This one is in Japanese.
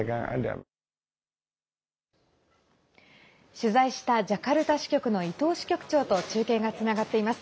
取材したジャカルタ支局の伊藤支局長と中継がつながっています。